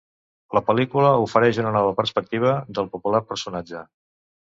La pel·lícula ofereix una nova perspectiva del popular personatge.